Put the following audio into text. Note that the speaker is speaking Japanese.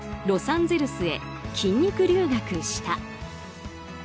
ロサンゼルスへ筋肉留学した。